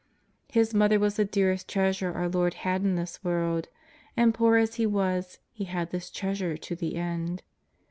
His Mother was the dearest treasure our Lord had in this world, and, poor as He was, He had this treasure to the end.